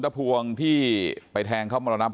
ฝ่ายกรเหตุ๗๖ฝ่ายมรณภาพกันแล้ว